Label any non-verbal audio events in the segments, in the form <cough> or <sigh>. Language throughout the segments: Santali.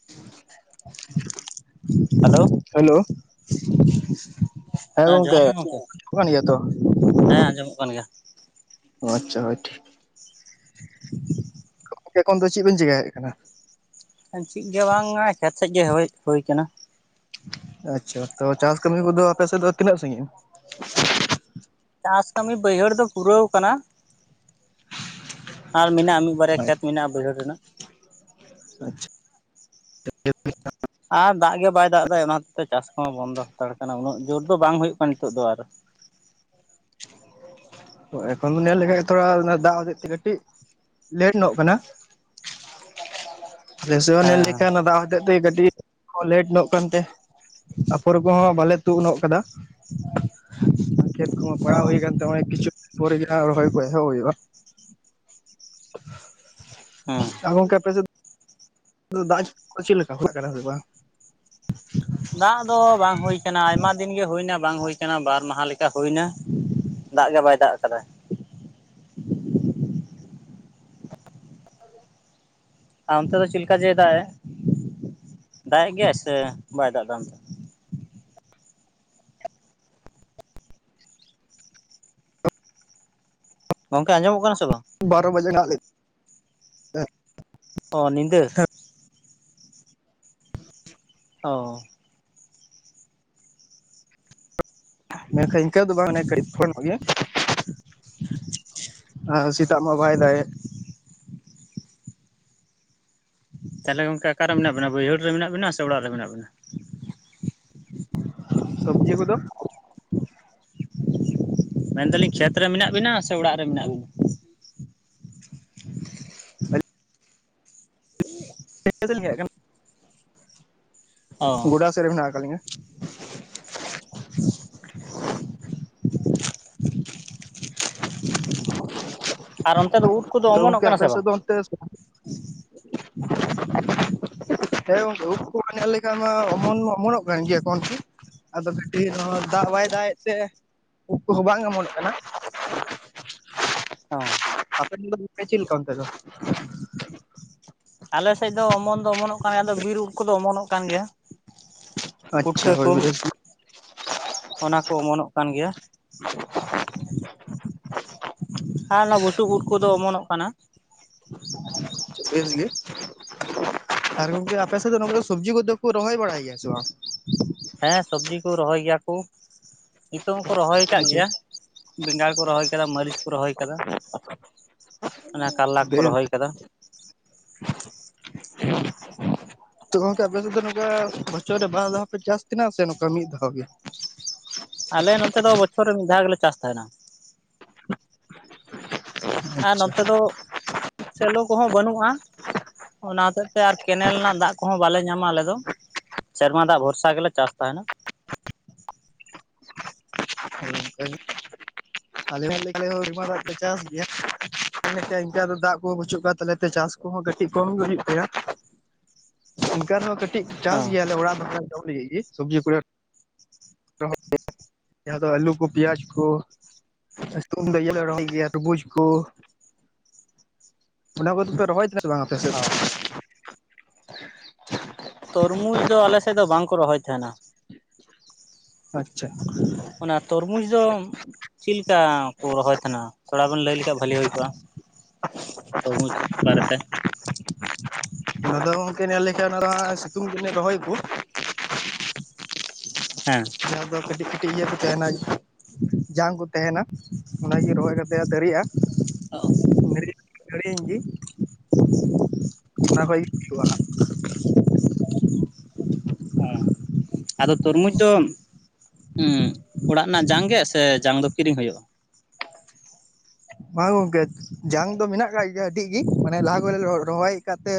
<inaudible> ᱦᱮᱞᱳ, ᱦᱮᱞᱳ, ᱦᱮᱸ ᱜᱚᱝᱠᱮ ᱡᱚᱦᱟᱨ ᱜᱮ ᱟᱸᱡᱚᱢᱚᱜ ᱜᱚᱢᱠᱮ, ᱠᱟᱱ ᱜᱮᱭᱟ ᱛᱚ ᱦᱮᱸ ᱟᱸᱡᱚᱢᱚᱜ ᱠᱟᱱ ᱜᱮᱭᱟ᱾ ᱚ ᱟᱪᱪᱷᱟ ᱦᱚᱭ ᱴᱷᱤᱠ᱾ <inaudible> ᱮᱠᱷᱚᱱ ᱫᱚ ᱪᱮᱫ ᱵᱤᱱ ᱪᱮᱠᱟᱭ ᱮᱫ ᱠᱟᱱᱟ? ᱪᱮᱫ ᱜᱮ ᱵᱟᱝᱟ ᱠᱷᱮᱛ ᱥᱮᱫ ᱜᱮ ᱦᱮᱡ ᱦᱳᱭ ᱠᱟᱱᱟ᱾ ᱟᱪᱪᱷᱟ ᱛᱚ ᱪᱟᱥ ᱠᱟᱹᱢᱤ ᱠᱚᱫᱚ ᱟᱯᱮ ᱥᱮᱫ ᱫᱚ ᱛᱤᱱᱟᱹᱜ ᱥᱟᱺᱜᱤᱧ? ᱪᱟᱥ ᱠᱟᱹᱢᱤ ᱵᱟᱹᱭᱦᱟᱹᱲ ᱫᱚ ᱯᱩᱨᱟᱹᱣ ᱠᱟᱱᱟ, ᱟᱨ ᱢᱮᱱᱟᱜ-ᱟ ᱢᱤᱫ- ᱵᱟᱨᱭᱟ ᱠᱷᱮᱛ ᱢᱮᱱᱟᱜ-ᱟ ᱵᱟᱹᱭᱦᱟᱹᱲ ᱨᱮᱱᱟᱜ᱾ ᱟᱪᱪᱷᱟ, ᱟᱨ ᱫᱟᱜ ᱜᱮ ᱵᱟᱭ ᱫᱟᱜ ᱮᱫᱟ ᱚᱱᱟ ᱠᱷᱟᱛᱤᱨ ᱛᱮ ᱪᱟᱥ ᱠᱚᱦᱚᱸ ᱵᱚᱱᱫᱚ ᱦᱟᱛᱟᱲ ᱟᱠᱟᱱᱟ, ᱩᱱᱟᱹᱜ ᱡᱳᱨ ᱫᱚ ᱵᱟᱝ ᱦᱩᱭᱩᱜ ᱠᱟᱱᱟ ᱱᱤᱛᱳᱜ ᱫᱚ ᱟᱨ᱾ ᱦᱮᱸ ᱮᱠᱷᱚᱱ ᱧᱮᱞ ᱞᱮᱠᱷᱟᱱ ᱛᱷᱚᱲᱟ ᱚᱱᱟ ᱫᱟᱜᱮᱫ ᱛᱮ ᱠᱟᱹᱴᱤᱡ ᱞᱮᱴ ᱧᱚᱜ ᱠᱟᱱᱟ᱾ <inaudible> ᱨᱮᱥᱚ ᱦᱮᱸ ᱧᱮᱞ ᱞᱮᱠᱷᱟᱱ ᱱᱚᱵᱟ ᱫᱟᱜ ᱦᱚᱛᱮᱛ ᱛᱮ ᱠᱟᱹᱴᱤᱡ ᱞᱮᱴ ᱧᱚᱜ ᱠᱟᱱᱛᱮ᱾ ᱟᱯᱷᱚᱨ ᱠᱚᱦᱚᱸ ᱵᱟᱞᱮ ᱛᱩᱜ ᱱᱚᱜ ᱠᱟᱫᱟ᱾ ᱠᱷᱮᱛ ᱠᱚᱦᱚ ᱦᱮᱸ ᱚ ᱯᱟᱲᱟᱜ ᱦᱩᱭ ᱠᱟᱱ ᱛᱟᱦᱮᱸ ᱠᱤᱪᱷᱩ ᱯᱚᱨᱮ ᱜᱮ ᱦᱟᱜ ᱨᱚᱦᱚᱭ ᱠᱚ ᱮᱦᱚᱵ ᱦᱩᱭᱩᱜᱼᱟ᱾ ᱦᱮᱸ ᱟᱨ ᱜᱚᱝᱠᱮ ᱟᱯᱮᱥᱮᱫ <inaudible> ᱫᱟᱜ <inaudible> ᱠᱚ ᱪᱮᱫ ᱞᱮᱠᱟ ᱦᱩᱭᱩᱜ ᱠᱟᱱᱟ ᱥᱮ ᱵᱟᱝ? ᱫᱟᱜ ᱫᱚ ᱵᱟᱝ ᱦᱩᱭ ᱠᱟᱱᱟ ᱟᱭᱢᱟ ᱫᱤᱱ ᱜᱮ ᱦᱩᱭᱱᱟ ᱵᱟᱝ ᱦᱩᱭ ᱠᱟᱱᱟ ᱵᱟᱨ ᱢᱟᱦᱟ ᱞᱮᱠᱟ ᱦᱩᱭᱱᱟ᱾ ᱫᱟᱜ ᱜᱮ ᱵᱟᱭ ᱫᱟᱜ ᱠᱟᱫᱟ᱾ ᱟᱨ ᱚᱱᱛᱮ ᱫᱚ ᱪᱮᱫ ᱞᱮᱠᱟ ᱡᱮ ᱫᱟᱜ ᱮ, ᱫᱟᱜ ᱮ ᱜᱮᱭᱟᱭ ᱥᱮ ᱵᱟᱭ ᱫᱟᱜ ᱮᱫᱟ ᱚᱱᱛᱮ? ᱜᱚᱝᱠᱮ ᱟᱸᱡᱚᱢᱚᱜ ᱠᱟᱱᱟ ᱥᱮ ᱵᱟᱝ? ᱵᱟᱨᱚ ᱵᱟᱡᱮ ᱫᱟᱜ ᱞᱮᱫ ᱛᱟᱦᱮᱸᱫ, ᱚ ᱱᱤᱫᱟᱹ? ᱚ ᱢᱮᱱᱠᱷᱟᱱ ᱤᱱᱠᱟᱹ ᱫᱚ ᱵᱟᱝᱼᱟᱱᱟ ᱠᱟᱹᱴᱤᱡ ᱯᱷᱚᱞ ᱧᱚᱜ ᱜᱮᱭᱟ᱾ ᱟᱸᱭ ᱥᱮᱛᱟᱜ ᱢᱟ ᱵᱟᱭ ᱫᱟᱜ ᱭᱮᱠ᱾ ᱛᱟᱦᱚᱞᱮ ᱜᱚᱝᱠᱮ ᱚᱠᱟᱨᱮ ᱢᱮᱱᱟᱜ ᱵᱤᱱᱟ ᱵᱟᱹᱭᱦᱟᱹᱲ ᱨᱮ ᱢᱮᱱᱟᱜ ᱵᱤᱱᱟ ᱥᱮ ᱚᱲᱟᱜ ᱨᱮ ᱢᱮᱱᱟᱜ ᱵᱤᱱᱟ? ᱥᱚᱵᱡᱤ ᱠᱚᱫᱚ ᱢᱮᱱᱫᱟᱞᱤᱧ ᱠᱷᱮᱛ ᱨᱮ ᱢᱮᱱᱟᱜ ᱵᱤᱱᱟ ᱥᱮ ᱚᱲᱟᱜ ᱨᱮ ᱢᱮᱱᱟᱜ ᱵᱤᱱᱟ? <unintelligible> <unintelligible> ᱪᱮᱫ ᱞᱮᱠᱟᱜᱼᱟ ᱠᱟᱱᱟ? ᱚ ᱜᱚᱰᱟ ᱥᱮᱫ ᱨᱮ ᱢᱮᱱᱟᱜ ᱟᱠᱟᱜ ᱞᱤᱧᱟ᱾ <inaudible> ᱟᱨ ᱚᱱᱛᱮ ᱫᱚ ᱩᱴ ᱠᱚᱫᱚ ᱛᱚ ᱚᱢᱚᱱᱚᱜ ᱜᱚᱝᱠᱮ ᱠᱟᱱᱟ ᱟᱯᱮ ᱥᱮ ᱥᱮᱫ ᱵᱟᱝ? ᱫᱚ ᱚᱱᱛᱮ ᱜᱮ ᱪᱟᱞᱟᱣ ᱦᱩᱭᱩᱜᱼᱟ ᱾ <unintelligible> ᱦᱮᱸ ᱜᱚᱝᱠᱮ ᱩᱫ ᱠᱚ ᱢᱟ ᱧᱮᱞ ᱞᱮᱠᱟᱱᱟ ᱚᱢᱚᱱ ᱢᱟ ᱚᱢᱚᱱᱚᱜ ᱠᱟᱱ ᱜᱮᱭᱟ ᱠᱚᱱᱠᱤ ᱟᱫᱚ ᱠᱟᱹᱴᱤᱡ ᱱᱚᱣᱟ ᱫᱟᱜ ᱵᱟᱭ ᱫᱟᱜᱮᱫ ᱛᱮ ᱩᱫ ᱠᱚᱫᱚ ᱵᱟᱝ ᱚᱢᱚᱱᱚᱜ ᱠᱟᱱᱟ᱾ ᱦᱚᱸ ᱟᱯᱮ ᱥᱮᱱ ᱫᱚ ᱪᱮᱫ ᱞᱮᱠᱟ ᱚᱱᱛᱮ ᱫᱚ? ᱟᱞᱮ ᱥᱮᱡ ᱫᱚ ᱚᱢᱚᱱ ᱫᱚ ᱚᱢᱚᱱᱚᱜ ᱠᱟᱱ ᱜᱮᱭᱟ ᱟᱫᱚ ᱵᱤᱨ ᱩᱫ ᱠᱚᱫᱚ ᱚᱢᱚᱱᱚᱜ ᱠᱟᱱ ᱜᱮᱭᱟ᱾ ᱟᱪᱪᱷᱟ ᱯᱩᱴᱠᱟᱹ ᱦᱚᱭ ᱠᱚ <unintelligible> ᱚᱱᱟ ᱠᱚ ᱚᱢᱚᱱᱚᱜ ᱠᱟᱱ ᱜᱮᱭᱟ᱾ ᱟᱨ ᱚᱱᱟ ᱵᱩᱥᱩᱵ ᱩᱫ ᱠᱚᱫᱚ ᱚᱢᱚᱱᱚᱜ ᱠᱟᱱᱟ᱾ ᱰᱷᱤᱨ ᱜᱮ ᱟᱨ ᱜᱚᱝᱠᱮ ᱟᱯᱮ ᱥᱮᱫ ᱫᱚ ᱱᱚᱣᱟ ᱫᱚ ᱥᱚᱵᱡᱤ ᱠᱚᱫᱚ ᱠᱚ ᱨᱚᱦᱚᱭ ᱵᱟᱲᱟᱭ ᱜᱮᱭᱟ ᱥᱮ ᱵᱟᱝ? ᱦᱮᱸ ᱥᱚᱵᱽᱡᱤ ᱠᱚ ᱨᱚᱦᱚᱭ ᱜᱮᱭᱟ ᱠᱚ ᱱᱤᱛᱳ ᱦᱚᱸᱠᱚ ᱨᱚᱦᱚᱭ ᱟᱪᱪᱷᱟ ᱠᱟᱜ ᱜᱮᱭᱟ᱾ ᱵᱮᱸᱜᱟᱲ ᱠᱚ ᱨᱚᱦᱚᱭ ᱠᱟᱫᱟ ᱢᱟᱹᱨᱤᱪ ᱠᱚ ᱨᱚᱦᱚᱭ ᱠᱟᱫᱟ, ᱚᱱᱟ ᱠᱟᱨᱞᱟ ᱠᱚᱠᱚ ᱵᱮᱥ ᱨᱚᱦᱚᱭ ᱠᱟᱫᱟ᱾ ᱛᱚ ᱜᱚᱝᱠᱮ ᱟᱯᱮ ᱥᱮᱫ ᱫᱚ ᱱᱚᱝᱠᱟ ᱵᱚᱪᱷᱚᱨ ᱨᱮ ᱵᱟᱨ ᱫᱷᱟᱣ ᱯᱮ ᱪᱟᱥ ᱛᱟᱦᱮᱱᱟ ᱥᱮ ᱱᱚᱝᱠᱟ ᱢᱤᱫ ᱫᱷᱟᱣ ᱜᱮ? ᱟᱞᱮ ᱱᱚᱛᱮ ᱫᱚ ᱵᱚᱪᱷᱚᱨ ᱨᱮ ᱢᱤᱫ ᱫᱷᱟᱣ ᱜᱮᱞᱮ ᱪᱟᱥ ᱛᱟᱦᱮᱱᱟ᱾ ᱟᱨ ᱟᱪᱪᱷᱟ ᱱᱚᱱᱛᱮ ᱫᱚ ᱥᱮᱞᱳ ᱠᱚᱦᱚᱸ ᱵᱟᱹᱱᱩᱜᱼᱟ᱾ ᱚᱱᱟ ᱦᱚᱛᱮᱜ ᱛᱮ ᱟᱨ ᱠᱮᱱᱮᱞ ᱨᱮᱱᱟᱜ ᱫᱟᱜ ᱠᱚᱦᱚᱸ ᱵᱟᱞᱮ ᱧᱟᱢᱟ ᱟᱞᱮ ᱫᱚ᱾ ᱥᱮᱨᱢᱟ ᱫᱟᱜ ᱵᱷᱚᱨᱥᱟ ᱜᱮᱞᱮ ᱪᱟᱥ ᱛᱟᱦᱮᱱᱟ᱾ ᱦᱩᱸ <unintelligible> ᱟᱞᱮᱦᱢᱟ ᱫᱟᱜ ᱞᱮ ᱪᱟᱥ ᱜᱮᱭᱟ ᱢ ᱤᱱᱠ ᱫᱚ ᱫᱟᱜ ᱵᱟᱹᱪᱩᱜ ᱠᱚᱣᱟ ᱛᱟᱞᱮ ᱪᱟᱥ ᱠᱩᱦᱚᱸ ᱠᱟᱹᱴᱤᱡ ᱠᱚᱢ ᱜᱮ ᱦᱩᱭᱩᱜ ᱛᱟᱭᱟ? <inaudible> ᱚᱱᱠᱟ ᱨᱮᱦᱚᱸ ᱠᱟᱹᱴᱤᱡ ᱦᱮᱸ ᱪᱟᱥ ᱦᱚᱸ ᱜᱮᱭᱟᱞᱮ ᱚᱲᱟᱜ ᱫᱚ ᱡᱚᱢ ᱞᱟᱹᱜᱤᱫ ᱜᱮ ᱥᱚᱵᱡᱤ ᱠᱚᱨᱮ ᱟᱫᱚ ᱟ. ᱞᱩ ᱠᱚ ᱯᱤᱭᱟᱡ ᱠᱚ᱾ ᱟᱨ ᱥᱤᱛᱩᱝ ᱫᱚ ᱤᱭᱟᱹᱞᱮ ᱨᱚᱦᱚᱭ ᱜᱮᱭᱟ ᱛᱩᱵᱩᱡ ᱠᱚ᱾ ᱚᱱᱟ ᱠᱚᱫᱚ ᱯᱮ ᱨᱚᱦᱚᱭ ᱟᱞᱮ ᱫᱚ ᱵᱟᱝ ᱟᱞᱮ ᱥᱮᱫ ᱚ ᱫᱚ ᱛᱚᱨᱢᱩᱡᱽ ᱫᱚ ᱟᱞᱮ ᱥᱮᱫ ᱫᱚ ᱵᱟᱝᱠᱚ ᱨᱚᱦᱚᱭ ᱛᱟᱦᱮᱱᱟ᱾ ᱟᱪᱪᱷᱟ ᱚᱱᱟ ᱛᱚᱨᱢᱩᱡᱽ ᱫᱚ ᱪᱮᱫ ᱞᱮᱠᱟ ᱠᱚ ᱨᱚᱦᱚᱭ ᱛᱟᱦᱮᱱᱟ? ᱛᱷᱚᱲᱟ ᱵᱮᱱ ᱞᱟᱹᱭ ᱞᱮᱠᱷᱟᱱᱡ ᱵᱷᱷᱟᱞᱤ ᱦᱩᱭ ᱠᱚᱜᱼᱟ᱾ ᱛᱨᱢᱩᱡᱽ ᱵᱟᱨᱮᱛᱮ᱾ ᱟᱫᱚ ᱜᱚᱝᱠᱮ ᱧᱮᱞ ᱞᱮᱠᱷᱟᱱ ᱚᱱᱟ ᱫᱚ ᱦᱟᱸᱜ ᱥᱤᱛᱩᱝ ᱫᱤᱱ ᱨᱚᱦᱚᱭᱟᱠᱚ᱾ ᱦᱮᱸ᱾ ᱡᱟᱦᱟᱸ ᱫᱚ ᱠᱟᱹᱴᱤᱡ ᱠᱟᱹᱴᱤᱡ ᱤᱭᱟᱹ ᱠᱚ ᱛᱟᱦᱮᱱᱟ ᱡᱟᱝ ᱠᱚ ᱛᱟᱦᱮᱱᱟ᱾ ᱚᱱᱟᱜᱮ ᱨᱚᱦᱚᱭ ᱠᱟᱛᱮ ᱫᱟᱨᱜᱼᱟ ᱫᱟᱨᱤᱭᱭ ᱟᱹᱧ ᱜᱮ᱾ <inaudible> ᱟᱱᱟᱜ ᱠᱚᱡ ᱜᱮ ᱦᱩᱭᱩᱜ ᱟ᱾ ᱦᱮᱸ ᱟᱫᱚ ᱛᱚᱨᱢᱩᱡᱽ ᱫᱚ ᱚᱲᱟᱜ ᱨᱮᱱᱟᱜ ᱡᱟᱝ ᱜᱮ ᱥᱮ ᱡᱟᱝ ᱫᱚ ᱠᱤᱨᱤᱧ ᱦᱩᱭᱩᱜᱼᱟ? ᱵᱟᱝ ᱜᱚᱝᱠᱮ ᱡᱟᱝ ᱫᱚ ᱢᱮᱱᱟᱜ ᱟᱠᱟᱜ ᱜᱮᱭᱟ ᱰᱤᱜ ᱜᱮ ᱢᱟᱱᱮ ᱞᱟᱦᱟ ᱨᱚᱦᱚᱭ ᱟᱠᱟᱫ ᱛᱮ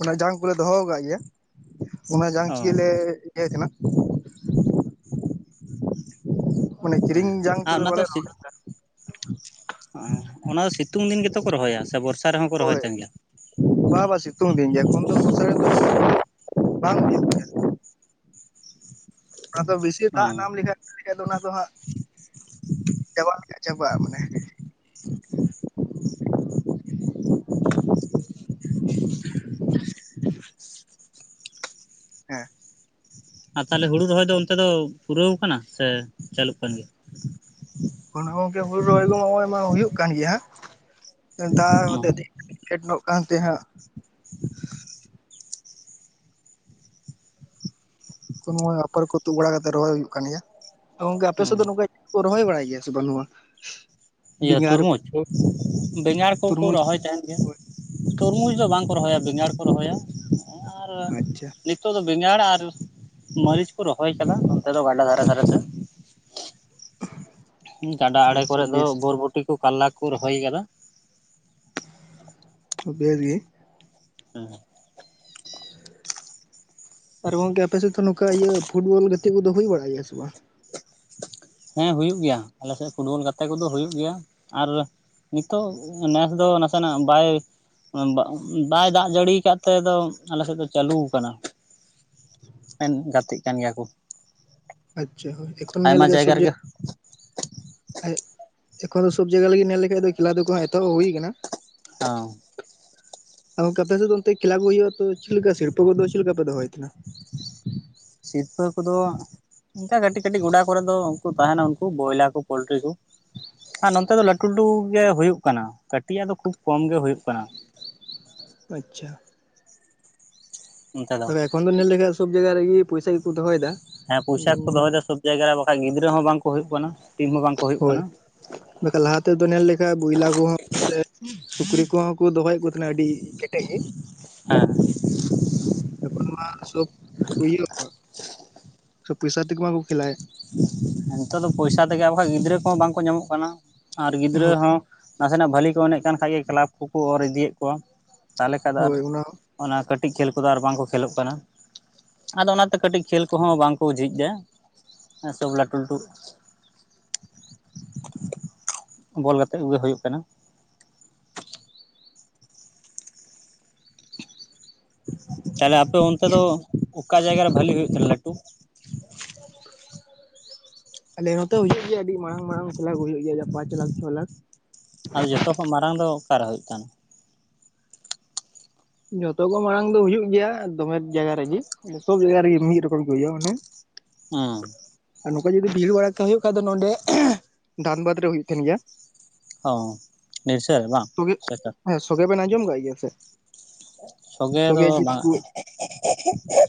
ᱚᱱᱟ ᱡᱟᱝ ᱠᱚᱞᱮ ᱫᱚᱦᱚ ᱟᱠᱟᱫ ᱜᱮᱭᱟ ᱾ ᱚᱱᱟ ᱡᱟᱝ ᱚ ᱪᱤᱠᱟ ᱞᱮ ᱤᱭᱟᱹᱭ ᱛᱟᱦᱮᱱᱟ ᱾ ᱢᱟᱱᱮ ᱦᱮᱸ ᱠᱤᱨᱤᱧ ᱡᱟᱝ ᱟᱨ ᱛᱮᱫᱚ ᱵᱟᱞᱮ ᱨᱚᱦᱚᱭᱟ᱾ ᱚ ᱚᱱᱟ ᱥᱤᱛᱩᱝ ᱫᱤᱱ ᱜᱮᱛᱚ ᱠᱚ ᱨᱚᱦᱚᱭᱟ ᱥᱮ ᱵᱚᱨᱥᱟ? ᱨᱮᱦᱚᱸ ᱠᱚ ᱨᱚᱦᱚᱭ ᱦᱳᱭ ᱛᱟᱦᱮᱱ ᱜᱮᱭᱟ ᱵᱟᱝ ᱵᱟᱝ ᱥᱤᱛᱩᱝ ᱫᱤᱱ ᱜᱮ ᱮᱠᱷᱚᱱ ᱫᱚ ᱩᱥᱟᱹᱨᱟ ᱫᱚ <inaudible> ᱵᱟᱝ ᱦᱩᱭᱩᱜᱼᱟ᱾ ᱟᱫᱚ ᱵᱮᱥᱤ ᱚ ᱫᱟᱜ ᱱᱟᱢ ᱞᱮᱠᱷᱟᱡ ᱮᱠᱷᱷᱟ ᱫᱚ ᱚᱱᱟ ᱫᱚ ᱦᱟᱸᱜ ᱪᱟᱵᱟ ᱞᱮ ᱞᱮᱠᱟ ᱪᱟᱵᱟᱜ-ᱟ ᱢᱟᱱᱮ᱾ ᱦ <inaudible> ᱦᱮᱸ᱾ ᱟᱨ ᱛᱟᱦᱚᱞᱮ ᱦᱩᱲᱩ ᱨᱚᱦᱚᱭ ᱫᱚ ᱚᱱᱛᱮ ᱱᱚᱛᱮ ᱫᱚ ᱯᱩᱨᱟᱹᱣ ᱟᱠᱟᱱᱟ ᱥᱮ ᱪᱟᱹᱞᱩᱜ ᱠᱟᱱ ᱜᱮᱭᱟ? ᱠᱚᱱᱳ ᱜᱚᱝᱠᱮ ᱦᱩᱲᱩ ᱨᱚᱦᱚᱭ ᱫᱚ ᱱᱚᱜᱚᱭ ᱢᱟ ᱦᱩᱭᱩᱜ ᱠᱟᱱ ᱜᱮᱭᱟ ᱦᱟᱸᱜ ᱫᱟᱜ ᱦᱚᱛᱮᱡ ᱛᱮ ᱮᱴᱠᱮ ᱴᱚᱲᱮᱜ ᱠᱟᱱ ᱛᱮ ᱦᱟᱸᱜ ᱟᱯᱟᱨ ᱠᱚ ᱛᱩᱫ ᱵᱟᱲᱟ ᱠᱟᱛᱮ ᱨᱚᱦᱚᱭ ᱦᱩᱭᱩᱜ ᱠᱟᱱ ᱜᱮᱭᱟ᱾ ᱛᱚ ᱜᱚᱝᱠᱮ ᱟᱯᱮ ᱥᱮᱫ ᱫᱚ ᱱᱚᱝᱠᱟ ᱠᱚ ᱨᱚᱦᱚᱭ ᱵᱟᱲᱟᱭ ᱜᱮᱭᱟ ᱥᱮ ᱵᱟᱱᱩᱜᱼᱟ᱾ ᱤᱭᱟᱹ ᱛᱩᱨᱢᱩᱡᱽ ᱵᱮᱸᱜᱟᱲ ᱠᱚᱠᱚ ᱛᱩᱨᱢᱩᱡᱽ ᱨᱚᱦᱚᱭ ᱛᱟᱦᱮᱱ ᱜᱮᱭᱟ ᱾ ᱛᱚᱨᱢᱩᱡᱽ ᱫᱚ ᱵᱟᱝ ᱠᱚ ᱨᱚᱦᱚᱭᱟ ᱵᱮᱸᱜᱟᱲ ᱠᱚ ᱨᱚᱦᱚᱭᱟ ᱟᱨ ᱟᱪᱪᱷᱟ ᱱᱤᱛᱚᱜ ᱫᱚ ᱵᱮᱜᱟᱲ ᱟᱨ ᱢᱟᱹᱨᱤᱪ ᱠᱚ ᱨᱚᱦᱚᱭ ᱟᱠᱟᱫᱟ ᱱᱚᱱᱛᱮ ᱫᱚ ᱜᱟᱰᱟ ᱫᱷᱟᱨᱮ ᱫᱷᱟᱨᱮ ᱛᱮ ᱾ ᱜᱟᱰᱟ ᱟᱲᱮ ᱟᱪᱪᱷᱟ ᱠᱚᱨᱮᱮᱫ ᱫᱚ ᱵᱮᱥ ᱵᱚᱨᱵᱷᱚᱴᱤ ᱠᱚ ᱠᱟᱨᱞᱟ ᱠᱚ ᱨᱚᱦᱚᱭ ᱠᱟᱫᱟ ᱾ ᱵᱮᱥ ᱜᱮ᱾ ᱦᱮ ᱸ᱾ ᱟᱨ ᱜᱚᱝᱠᱮ ᱥᱮᱫ ᱫᱚ ᱱᱚᱝᱠᱟ ᱤᱭᱟᱹ ᱯᱷᱩᱴᱵᱚᱞ ᱜᱟ ᱜᱟᱛᱤ ᱠᱚᱫᱚ ᱦᱩᱭ ᱵᱟᱲᱟᱜ ᱜᱮᱭᱟ ᱥᱮ ᱵᱟᱝ? ᱦᱮᱸ ᱦᱩᱭᱩᱜ ᱜᱮᱭᱟ ᱟᱞᱮ ᱥᱮᱫ ᱯᱷᱩᱴᱵᱚᱞ ᱜᱟᱛᱮ ᱠᱚᱫᱚ ᱦᱩᱭᱩᱜ ᱜᱮᱭᱟ ᱟᱨ ᱱᱤᱛᱚᱜ ᱱᱮᱥ ᱫᱚ ᱱᱟᱥᱮᱱᱟᱜ ᱵᱟᱭ ᱵᱟᱭ ᱫᱟᱜ ᱡᱟᱹᱲᱤᱭᱟ ᱟᱠᱟᱫ ᱫᱚ ᱛᱮ ᱟᱞᱮᱥᱮᱫ ᱫᱚ ᱪᱟᱞᱩ ᱟᱠᱟᱱᱟ ᱾ ᱢᱮᱱ ᱜᱟᱛᱮᱜ ᱠᱟᱱ ᱜᱮᱭᱟ ᱠᱚ᱾ ᱟᱪᱷᱟ ᱮᱠᱷᱚᱱ ᱱᱮᱞ ᱟᱭᱢᱟ ᱡᱟᱭᱜᱟ ᱥᱚᱵᱡᱤ ᱨᱮᱜᱮ ᱟᱨ ᱮᱠᱷᱚᱱ ᱫᱚ ᱥᱚᱵ ᱡᱟᱭᱜᱟ ᱞᱟᱜᱤᱫ ᱧᱮᱞ ᱞᱮᱠᱷᱟᱱ ᱫᱚ ᱠᱷᱮᱞᱟ ᱫᱚᱠᱚ ᱮᱛᱚᱦᱚᱵ ᱟᱜᱩᱭᱮᱫ ᱠᱟᱱᱟ ᱾ ᱦᱟᱸ᱾ ᱟ ᱜᱚᱝᱠᱮ ᱟᱯᱮ ᱥᱮᱫ ᱫᱚ ᱚᱱᱛᱮ ᱠᱷᱮᱞᱟ ᱠᱚ ᱦᱩᱭᱩᱜ-ᱟ, ᱛᱚ ᱪᱮᱫ ᱞᱮᱠᱟ ᱥᱤᱨᱯᱟᱹ ᱠᱚᱫᱚ ᱪᱮᱫ ᱞᱮᱠᱟ ᱯᱮ ᱫᱚᱦᱚᱭ ᱛᱟᱦᱮᱱᱟ? ᱥᱤᱨᱯᱟᱹ ᱠᱚᱫᱚ ᱚᱱᱠᱟ ᱠᱟᱹᱴᱤᱡ ᱠᱟᱹᱴᱤᱡ ᱜᱚᱰᱟ ᱠᱚᱨᱮ ᱫᱚ ᱩᱱᱠᱩ ᱛᱟᱦᱮᱱᱟ ᱩᱱᱠᱩ ᱵᱚᱭᱞᱟ ᱠᱚ ᱯᱳᱞᱴᱨᱤ ᱠᱚ᱾ ᱟᱨ ᱱᱚᱱᱛᱮ ᱫᱚ ᱞᱟᱹᱴᱩ ᱞᱟᱹᱴᱩ ᱜᱮ ᱦᱩᱭᱩᱜ ᱠᱟᱱᱟ᱾ ᱠᱟᱹᱴᱤᱡ ᱟᱜ ᱫᱚ ᱠᱷᱩᱵ ᱠᱚᱢ ᱜᱮ ᱦᱩᱭᱩᱜ ᱠᱟᱱᱟ ᱾ ᱟᱪᱪᱷᱟ᱾ ᱚᱱᱛᱮ ᱫᱚ ᱛᱚᱵᱮ ᱮᱠᱷᱚᱱ ᱫᱚ ᱱᱮᱞ ᱞᱮᱠᱷᱟᱡ ᱫᱚ ᱥᱚᱵ ᱡᱟᱭᱜᱟ ᱨᱮᱜᱮ ᱯᱚᱭᱥᱟ ᱜᱮᱠᱚ ᱫᱚᱦᱚᱭ ᱫᱟ ᱾ ᱦᱮᱸ ᱯᱚᱭᱥᱟ ᱠᱚ ᱫᱚᱦᱚᱭ ᱫᱟ ᱥᱚᱵᱽ ᱡᱟᱭᱜᱟ ᱨᱮ, ᱵᱟᱠᱷᱟᱡ ᱜᱤᱫᱽᱨᱟᱹ ᱦᱚᱸ ᱵᱟᱝ ᱠᱚ ᱦᱩᱭᱩᱜ ᱠᱟᱱᱟ, ᱴᱤᱢ ᱦᱚᱸ ᱵᱟᱝ ᱠᱚ ᱦᱩᱭᱩᱜ ᱠᱟᱱᱟ ᱾ ᱵᱟᱠᱷᱟᱡ ᱞᱟᱦᱟ ᱛᱮᱫᱚ ᱱᱮᱞ ᱞᱮᱠᱷᱟᱡ ᱵᱚᱭᱞᱟ ᱠᱚᱦᱚᱸ ᱥᱮ ᱥᱩᱠᱨᱤ ᱠᱚᱦᱚᱸ ᱠᱚ ᱫᱚᱦᱚᱭᱮᱜ ᱠᱚ ᱛᱮᱱᱟ ᱟᱹᱰᱤ ᱠᱮᱴᱮᱡ ᱜᱮ ᱦᱮ᱾ ᱮᱠᱷᱚᱱ ᱢᱟ ᱥᱚᱵ <inaudible> ᱯᱮ ᱥᱚᱵ ᱯᱚᱭᱥᱟ ᱛᱮ ᱢᱟ ᱠᱚ ᱠᱷᱮᱞᱟᱭᱮᱜ᱾ ᱱᱮᱛᱟᱨ ᱫᱚ ᱯᱚᱭᱥᱟ ᱛᱮᱜᱮ ᱟᱨ ᱵᱟᱝᱠᱟᱱ ᱜᱤᱫᱽᱨᱟᱹ ᱠᱚᱦᱚᱸ ᱵᱟᱝ ᱠᱚ ᱧᱟᱢᱚᱜ ᱠᱟᱱᱟ᱾ ᱟᱨ ᱜᱤᱫᱽᱨᱟᱹ ᱦᱳᱭ ᱦᱚᱸ ᱱᱟᱥᱮᱱᱟᱜ ᱵᱷᱟᱹᱞᱤ ᱠᱚ ᱮᱱᱮᱡ ᱠᱟᱱ ᱠᱷᱟᱡ ᱜᱮ ᱠᱞᱟᱵᱽ ᱠᱚᱠᱚ ᱚᱨ ᱤᱫᱤᱭᱮᱫ ᱠᱚᱣᱟ᱾ ᱛᱟᱦᱚᱞᱮ ᱠᱷᱟᱱ ᱫᱚ ᱟᱨ ᱦᱳᱭ ᱚᱱᱟ ᱚᱱᱟ ᱠᱟᱹᱴᱤᱡ ᱠᱷᱮᱞ ᱠᱚᱫᱚ ᱟᱨ ᱵᱟᱝ ᱠᱚ ᱠᱷᱮᱞᱳᱜ ᱠᱟᱱᱟ ᱾ ᱟᱫᱚ ᱚᱱᱟ ᱛᱮ ᱠᱟᱹᱴᱤᱡ ᱠᱷᱮᱞ ᱠᱚᱦᱚᱸ ᱵᱟᱝ ᱠᱚ ᱡᱷᱤᱡ ᱫᱟ ᱾ ᱦᱮᱸ ᱥᱚᱵ ᱞᱟᱹᱴᱩ ᱞᱟᱹᱴᱩ ᱵᱚᱞ ᱜᱟᱛᱮ ᱠᱚᱜᱮ ᱦᱩᱭᱩᱜ ᱠᱟᱱᱟ᱾ <unintelligible> ᱛᱟᱦᱞᱮ ᱟᱯᱮ ᱚᱱᱛᱮ ᱫᱚ ᱚᱠᱟ ᱡᱟᱭᱜᱟ ᱨᱮ ᱵᱷᱟᱞᱤ ᱦᱩᱭᱩᱜ ᱛᱮᱦᱱᱟ ᱞᱟᱹᱴᱩ? ᱟᱞᱮ ᱱᱚᱛᱮ ᱦᱩᱭᱩᱜ ᱜᱮᱭᱟ ᱟᱹᱰᱤ ᱢᱟᱨᱟᱝ ᱢᱟᱨᱟᱝ ᱠᱷᱮᱞᱟ ᱠᱩᱜᱮ ᱦᱩᱭᱩᱜ ᱜᱮᱭᱟ ᱯᱟᱸᱪ ᱞᱟᱠᱷ ᱪᱷᱚ ᱞᱟᱠᱷ᱾ ᱟᱫᱚ ᱡᱚᱛᱚ ᱠᱷᱚᱱ ᱢᱟᱨᱟᱝ ᱫᱚ ᱚᱠᱟᱨᱮ ᱦᱩᱭᱩᱜ ᱠᱟᱱᱟ? ᱡᱚᱛᱚ ᱠᱚ ᱢᱟᱲᱟᱝ ᱫᱚ ᱦᱩᱭᱩᱜ ᱜᱮᱭᱟ ᱫᱚᱢᱮ ᱡᱟᱭᱜᱟ ᱨᱮᱜᱮ᱾ ᱥᱚᱵ ᱡᱟᱭᱜᱟ ᱨᱤᱜᱤ ᱢᱤᱜ ᱨᱚᱠᱚᱢ ᱜᱮ ᱦᱩᱭᱩᱜ-ᱟ ᱢᱟᱱᱮ ᱦᱩᱸ᱾ ᱟᱨ ᱱᱚᱝᱠᱟ ᱡᱩᱫᱤ ᱵᱷᱤᱲ ᱵᱟᱲᱟ ᱦᱳᱭᱳᱜ ᱠᱷᱟᱱ ᱫᱚ ᱱᱚᱰᱮ ᱫᱷᱟᱱᱵᱟᱫᱽ ᱨᱮ ᱦᱳᱭᱳᱜ ᱛᱟᱦᱮᱱ ᱜᱮᱭᱟ᱾ ᱦᱚᱸ ᱱᱤᱥᱚᱭ ᱵᱟᱝ ᱛᱚᱵᱮ ᱥᱮᱴ <unintelligible> ᱦᱮᱸ, ᱥᱚᱜᱮ ᱵᱮᱱ ᱟᱡᱚᱢ ᱠᱟᱜ ᱜᱮᱭᱟ ᱥᱮ? <unintelligible> ᱫᱚ ᱥᱚᱜᱮ ᱡᱤᱛ ᱵᱟᱝ ᱯᱩᱨ,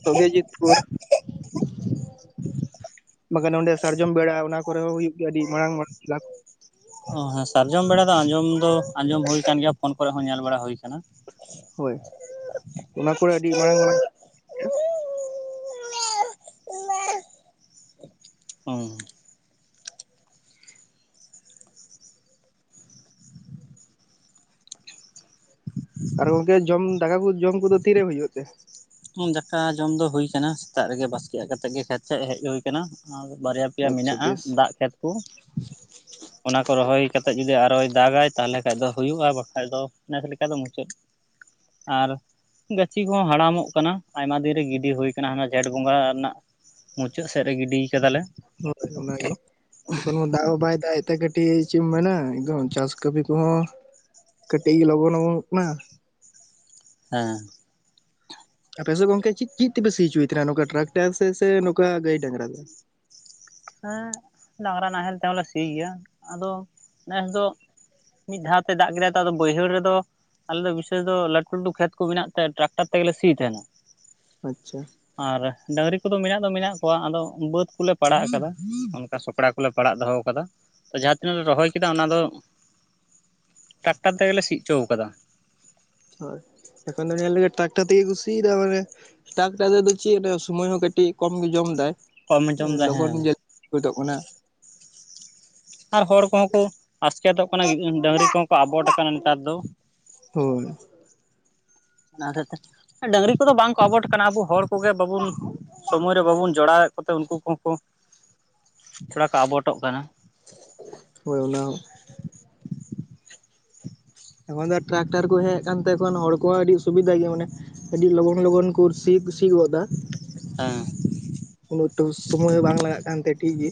ᱥᱚᱜᱮᱡᱤᱛ ᱯᱩᱨ᱾ ᱵᱟᱠᱷᱟᱡ ᱱᱚᱸᱰᱮ ᱥᱟᱨᱡᱚᱢ ᱵᱮᱲᱟ ᱚᱱᱟ ᱠᱚᱨᱮ ᱦᱚᱸ ᱦᱩᱭᱩᱜ ᱜᱮᱭᱟ ᱟᱹᱰᱤ ᱢᱟᱨᱟᱝ ᱢᱟᱨᱟᱝ ᱠᱷᱮᱞᱟ᱾ ᱚ, ᱦᱮᱸ, ᱥᱟᱨᱡᱚᱢ ᱵᱮᱲᱟ ᱫᱚ ᱟᱸᱡᱚᱢ ᱫᱚ ᱟᱸᱡᱚᱢ ᱦᱩᱭ ᱠᱟᱱ ᱜᱮᱭᱟ, ᱯᱷᱳᱱ ᱠᱚᱨᱮ ᱦᱚᱸ ᱧᱮᱞ ᱵᱟᱲᱟ ᱦᱩᱭ ᱠᱟᱱᱟ᱾ ᱦᱳᱭ, ᱚᱱᱟ ᱠᱚᱨᱮ ᱟᱹᱰᱤ ᱢᱟᱨᱟᱝ ᱢᱟᱨᱟᱝ ᱦᱩᱸ᱾ ᱟᱨ ᱜᱚᱢᱠᱮ ᱡᱚᱢ, ᱫᱟᱠᱟ ᱠᱚ ᱡᱚᱢ ᱠᱚᱫᱚ ᱛᱤᱨᱮ ᱦᱩᱭᱩᱜ ᱛᱮ? ᱫᱟᱠᱟ ᱡᱚᱢ ᱫᱚ ᱦᱩᱭ ᱠᱟᱱᱟ, ᱥᱮᱛᱟᱜ ᱨᱮᱜᱮ ᱵᱟᱥᱠᱮᱭᱟᱜ ᱠᱟᱛᱮᱜ ᱜᱮ ᱠᱷᱮᱛ ᱥᱮᱫ ᱦᱮᱡ ᱦᱩᱭ‌ ᱠᱟᱱᱟ, ᱵᱟᱨᱭᱟ ᱯᱮᱭᱟ ᱟᱪᱪᱷᱟ ᱢᱮᱱᱟᱜᱼᱟ ᱵᱮᱥ ᱫᱟᱜ ᱠᱷᱮᱛ ᱠᱩ᱾ ᱚᱱᱟ ᱠᱚ ᱨᱚᱦᱚᱭ ᱠᱟᱛᱮ ᱡᱩᱫᱤ ᱟᱨᱚᱭ ᱫᱟᱜᱟᱭ ᱛᱟᱦᱚᱞᱮ ᱠᱷᱟᱡ ᱫᱚ ᱦᱩᱭᱩᱜᱼᱟ ᱟᱨ ᱵᱟᱠᱷᱟᱡ ᱫᱚ ᱵᱮᱥ ᱞᱮᱠᱟ ᱫᱚ ᱢᱩᱪᱟᱹᱫ᱾ ᱟᱨ ᱜᱟᱹᱪᱷᱤ ᱦᱚᱸ ᱦᱟᱲᱟᱢᱚᱜ ᱠᱟᱱᱟ, ᱟᱭᱢᱟ ᱫᱤᱱ ᱨᱮ ᱜᱤᱰᱤ ᱦᱩᱭ ᱠᱟᱱᱟ ᱦᱟᱱᱟ ᱡᱷᱮᱸᱴ ᱵᱚᱸᱜᱟ ᱨᱮᱱᱟᱜ ᱢᱩᱪᱟᱹᱫ ᱥᱮᱫ ᱨᱮ ᱜᱤᱰᱤᱭ ᱠᱟᱫᱟᱞᱮ᱾ ᱦᱳᱭ ᱚᱱᱟᱜᱮ ᱮᱠᱷᱚᱱᱳ ᱫᱟᱜ ᱦᱚᱸ ᱵᱟᱭ ᱫᱟᱜ ᱮᱜ ᱛᱮ ᱠᱟᱴᱤᱡ ᱪᱮᱫ ᱮᱢ ᱢᱮᱱᱟ ᱮᱠᱫᱚᱢ ᱪᱟᱥ ᱠᱟᱹᱢᱤ ᱠᱚᱦᱚᱸ ᱠᱟᱴᱤᱜ ᱞᱚᱜᱚᱱ ᱚᱢᱚᱱᱚᱜ ᱠᱟᱱᱟ᱾ ᱦᱮᱸ ᱟᱯᱮ ᱥᱮᱫ ᱜᱚᱝᱠᱮ ᱪᱤᱫ ᱪᱤᱫ ᱛᱮᱯᱮ ᱥᱤᱪᱚᱭ ᱛᱟᱦᱮᱱᱟ ᱱᱚᱝᱠᱟ ᱴᱨᱟᱠᱴᱟᱨ ᱥᱮ ᱥᱮ ᱱᱚᱝᱠᱟ ᱜᱟᱹᱭ ᱰᱟᱝᱨᱟ ᱛᱮ? ᱦᱮᱸ ᱰᱟᱝᱨᱟ ᱱᱟᱦᱮᱞ ᱛᱮᱦᱚᱸᱞᱮ ᱥᱤ ᱜᱮᱭᱟ ᱟᱫᱚ ᱱᱮᱥ ᱫᱚ ᱢᱤᱫ ᱫᱷᱟᱣ ᱛᱮᱭ ᱫᱟᱜ ᱠᱮᱫᱟᱭ ᱛᱚ ᱟᱫᱚ ᱵᱟᱹᱭᱦᱟᱹᱲ ᱨᱮᱫᱚ ᱟᱞᱮ ᱫᱚ ᱵᱤᱥᱮᱥ ᱫᱚ ᱞᱟᱴᱩ ᱞᱟᱴᱩ ᱠᱷᱮᱛ ᱠᱚ ᱢᱮᱱᱟᱜ ᱛᱮ ᱴᱨᱟᱠᱴᱟᱨ ᱛᱮᱜᱮᱞᱮ ᱥᱤᱭ ᱛᱟᱦᱮᱱᱟ᱾ ᱟᱪᱪᱷᱟ ᱟᱨ ᱰᱟᱸᱝᱨᱤ ᱠᱚᱫᱚ ᱢᱮᱱᱟᱜ ᱫᱚ ᱢᱮᱱᱟᱜ ᱠᱚᱣᱟ ᱟᱫᱚ ᱵᱟᱹᱫᱽ ᱠᱚᱞᱮ ᱯᱟᱲᱟᱜ ᱠᱟᱫᱟ ᱚᱱᱠᱟ ᱥᱚᱠᱲᱟ ᱠᱚᱞᱮ ᱯᱟᱲᱟᱜ ᱫᱚᱦᱚᱣ ᱠᱟᱫᱟ ᱛᱚ ᱡᱟᱦᱟᱸᱛᱤᱱᱟᱹᱜ ᱞᱮ ᱨᱚᱦᱚᱭ ᱠᱮᱫᱟ ᱚᱱᱟ ᱫᱚ ᱴᱟᱠᱴᱟᱨ ᱛᱮᱜᱮᱞᱮ ᱥᱤᱜ ᱪᱳᱣ ᱠᱟᱫᱟ ᱦᱳᱭ ᱮᱠᱷᱚᱱ ᱫᱚ ᱧᱮᱞ ᱢᱮ ᱴᱨᱟᱠᱴᱟᱨ ᱛᱮᱜᱮ ᱠᱩ ᱥᱤᱭ ᱫᱟ ᱢᱟᱱᱮ ᱴᱟᱠᱴᱟᱨ ᱛᱮᱫᱚ ᱪᱮᱫ ᱥᱳᱢᱚᱭ ᱦᱚᱸ ᱠᱟᱴᱤᱡ ᱠᱚᱢ ᱜᱮ ᱡᱚᱢ ᱫᱟᱭ᱾ ᱠᱚᱢ ᱡᱚᱢ ᱢᱟᱱᱮ ᱫᱟ ᱞᱚᱜᱚᱱ ᱦᱮᱸ ᱜᱮ ᱦᱩᱭ ᱫᱚᱜ ᱠᱟᱱᱟ ᱟᱨ ᱦᱚᱲ ᱠᱚᱦᱚᱸ ᱠᱚ ᱟᱥᱠᱮᱛᱚᱜ ᱠᱟᱱᱟ ᱰᱟᱸᱝᱨᱤ ᱠᱚᱦᱚᱸ ᱠᱚ ᱟᱵᱚᱴ ᱠᱟᱱᱟ ᱱᱮᱛᱟᱨ ᱫᱚ᱾ ᱦᱳᱭ ᱚᱱᱟ ᱦᱚᱛᱮᱡ ᱛᱮ ᱰᱟᱸᱝᱨᱤ ᱠᱚᱫᱚ ᱵᱟᱝ ᱠᱚ ᱟᱵᱚᱴ ᱠᱟᱱᱟ ᱟᱵᱚ ᱦᱚᱲ ᱠᱚᱜᱮ ᱵᱟᱵᱚᱱ ᱥᱚᱢᱚᱭ ᱨᱮ ᱵᱟᱵᱚᱱ ᱡᱚᱲᱟᱣᱮᱫ ᱠᱚᱛᱮ ᱩᱱᱠᱩ ᱠᱚᱦᱚᱸ ᱠᱚ ᱛᱷᱚᱲᱟ ᱠᱚ ᱟᱵᱚᱴᱚᱜ ᱠᱟᱱᱟ ᱦᱳᱭ ᱚᱱᱟ ᱦᱚᱸ ᱮᱠᱷᱚᱱ ᱫᱚ ᱴᱨᱟᱠᱴᱟᱨ ᱠᱚ ᱦᱮᱡ ᱠᱟᱱ ᱛᱮ ᱦᱚᱲ ᱠᱚᱦᱚᱸ ᱟᱹᱰᱤ ᱥᱩᱵᱤᱫᱷᱟ ᱜᱮ ᱢᱟᱱᱮ ᱟᱹᱰᱤ ᱞᱚᱜᱚᱱ ᱞᱚᱜᱚᱱ ᱠᱚ ᱥᱤ ᱥᱤ ᱜᱚᱫᱟ ᱦᱮᱸ ᱩᱱᱟᱹᱜ ᱮᱠᱴᱩ ᱥᱩᱢᱳᱭ ᱦᱚᱸ ᱵᱟᱝ ᱞᱟᱜᱟᱜ ᱠᱟᱱᱛᱮ ᱴᱷᱤᱠ ᱜᱮ